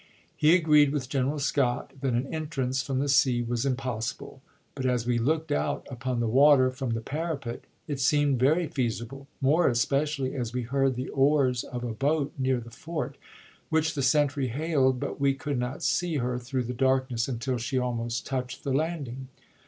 He agreed with General Scott that an entrance from the sea was impossible ; but as we looked out upon the water from the parapet, it seemed very feasible, more especially as we heard the oars of a boat near the fort, which the sentry hailed, but we could not see her through the darkness until she almost touched the land ing.